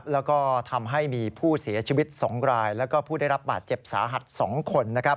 แล้วก็ทำให้มีผู้เสียชีวิต๒รายแล้วก็ผู้ได้รับบาดเจ็บสาหัส๒คน